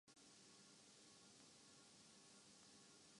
university of Gujrat میں یہ نظام ایک